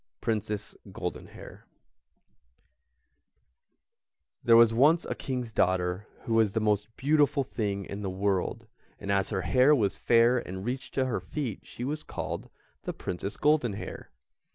PRINCESS GOLDENHAIR There was once a King's daughter who was the most beautiful thing in the world, and as her hair was fair and reached to her feet she was called the Princess Goldenhair.